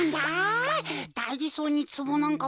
だいじそうにつぼなんかもって。